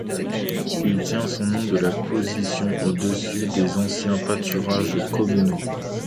Il tient son nom de sa position au-dessus des anciens pâturages communaux.